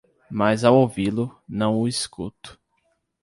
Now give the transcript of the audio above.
mas ao ouvi-lo, não o escuto